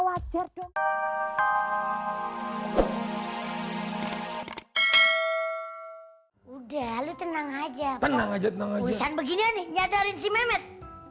wajar dong udah lu tenang aja tenang aja tenang aja begini nih nyadarin si mehmet